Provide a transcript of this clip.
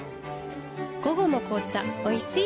午後の紅茶おいしい